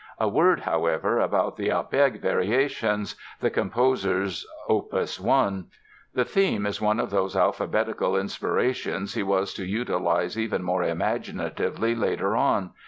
A word, however, about the "Abegg" Variations, the composer's Op. 1. The theme is one of those "alphabetical" inspirations he was to utilize even more imaginatively later on.